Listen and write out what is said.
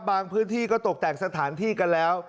พื้นที่ก็ตกแต่งสถานที่กันแล้ว